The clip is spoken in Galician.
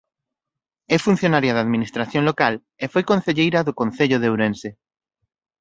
É funcionaria da administración local e foi concelleira do Concello de Ourense.